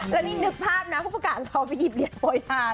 แล้วนี่นึกภาพนะผู้ประกาศเราไปหยิบเหรียญโปรยทาน